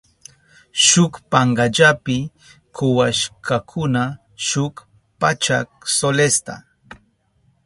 Shuk pankallapi kuwashkakuna shuk pachak solesta.